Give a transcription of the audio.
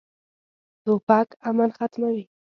توپک امن ختموي.